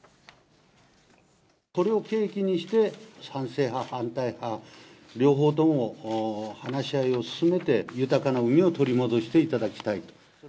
これを契機にして、賛成派、反対派、両方とも話し合いを進めて、豊かな海を取り戻していただきたいと。